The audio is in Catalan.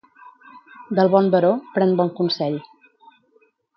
Del bon baró, pren bon consell.